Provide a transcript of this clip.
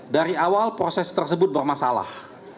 dari awal proses tersebut bermasalah